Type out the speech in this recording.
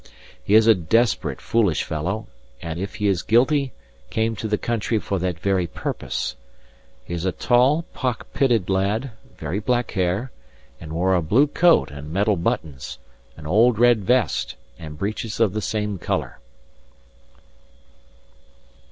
He is a desperate foolish fellow; and if he is guilty, came to the country for that very purpose. He is a tall, pock pitted lad, very black hair, and wore a blue coat and metal buttons, an old red vest, and breeches of the same colour."